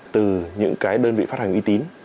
từ những cái đơn vị phát hành uy tín